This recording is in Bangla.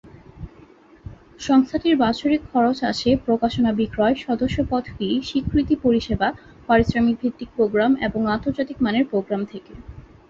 সংস্থাটির বাৎসরিক খরচ আসে প্রকাশনা বিক্রয়, সদস্যপদ ফি, স্বীকৃতি পরিষেবা, পারিশ্রমিক ভিত্তিক প্রোগ্রাম, এবং আন্তর্জাতিক মানের প্রোগ্রাম থেকে।